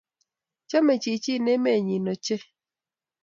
Chame chichin emenyi ochei